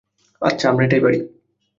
আচ্ছা, আমরা এটাই পারি।